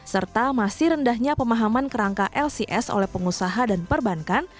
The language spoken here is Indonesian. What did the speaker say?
serta masih rendahnya pemahaman kerangka lcs oleh pengusaha dan perbankan